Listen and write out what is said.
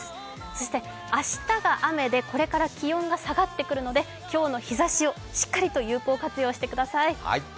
そして明日が雨で、これから気温が下がってくるので今日の日ざしをしっかりと有効活用してください。